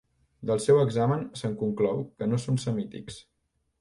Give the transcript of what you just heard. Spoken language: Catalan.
Del seu examen, se'n conclou, que no són semítics.